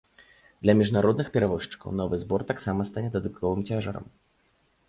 Для міжнародных перавозчыкаў новы збор таксама стане дадатковым цяжарам.